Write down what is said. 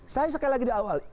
saya sekali lagi di awal